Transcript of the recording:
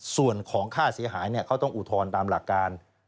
ส่วนของค่าเสียหายเขาต้องอุทธรณ์ตามหลักการ